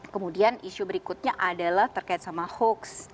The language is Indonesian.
kemudian isu berikutnya adalah terkait sama hoax